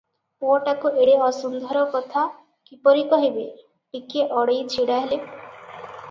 ପୁଅଟାକୁ ଏଡେ ଅସୁନ୍ଦର କଥା କିପରି କହିବେ - ଟିକିଏ ଅଡେଇ ଛିଡ଼ା ହେଲେ ।